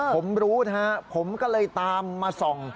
ผมรู้นะฮะผมก็เลยตามมาส่อง